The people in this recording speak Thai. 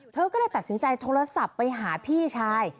เธอก็เลยตัดสินใจโทรศัพท์ไปหาพี่ชาย